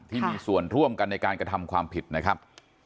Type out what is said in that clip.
ที่มีส่วนร่วมกันในการกระทำความผิดนะครับ